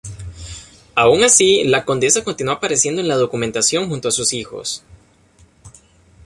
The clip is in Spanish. Aun así, la condesa continuó apareciendo en la documentación junto a sus hijos.